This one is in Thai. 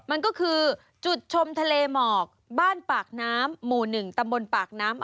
มันก็คือจุดชมทะเลหมอกบ้านปากน้ำหมู่๑ตำบลปากน้ำ